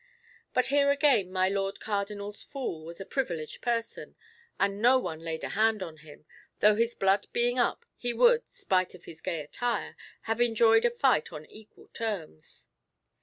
But here again my Lord Cardinal's fool was a privileged person, and no one laid a hand on him, though his blood being up, he would, spite of his gay attire, have enjoyed a fight on equal terms.